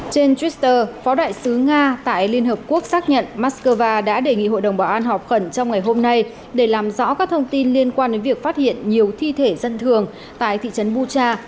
trên twitter phó đại sứ nga tại liên hợp quốc xác nhận moscow đã đề nghị hội đồng bảo an họp khẩn trong ngày hôm nay để làm rõ các thông tin liên quan đến việc phát hiện nhiều thi thể dân thường tại thị trấn bucha